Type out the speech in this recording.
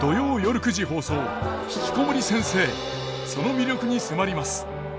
その魅力に迫ります。